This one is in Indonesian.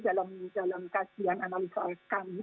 dalam kasihan analisa kami